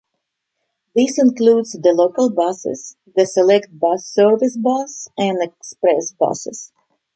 This includes the local buses, the Select Bus Service bus, and express buses.